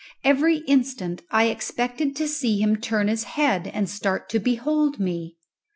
Every instant I expected to see him turn his head and start to behold me.